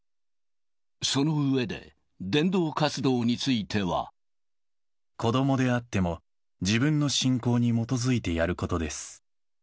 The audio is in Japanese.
その上で、子どもであっても、自分の信仰に基づいてやることです。